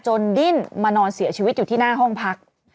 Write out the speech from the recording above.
ดิ้นมานอนเสียชีวิตอยู่ที่หน้าห้องพัก